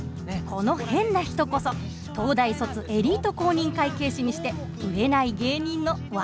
この変な人こそ東大卒エリート公認会計士にして売れない芸人のわたび。